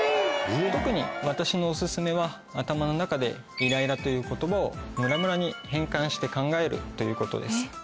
・特に私のオススメは頭の中でイライラという言葉をムラムラに変換して考えるということです。